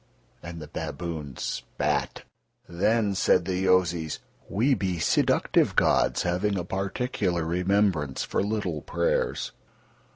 And the baboons spat. Then said the Yozis: "We be seductive gods, having a particular remembrance for little prayers."